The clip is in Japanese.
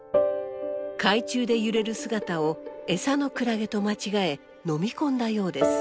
海中で揺れる姿をエサのクラゲと間違え飲み込んだようです。